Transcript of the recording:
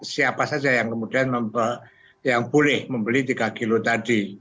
siapa saja yang kemudian yang boleh membeli tiga kg tadi